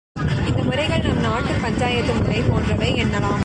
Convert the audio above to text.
இந்த முறைகள் நம் நாட்டுப் பஞ்சாயத்து முறை போன்றவை என்னலாம்.